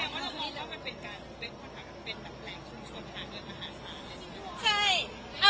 ก็แม้มันมีหุ้นนี่แปลงชนผลาเหนืองการหาทาง